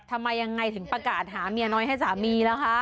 ทำไมยังไงถึงประกาศหาเมียน้อยให้สามีล่ะคะ